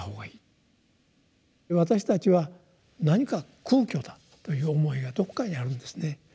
私たちは何か空虚だという思いがどこかにあるんですね。